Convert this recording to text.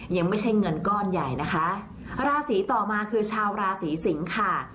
ยังไม่ใช่เงินก้อนใหญ่นะคะราศีต่อมาคือชาวราศีสิงค่ะ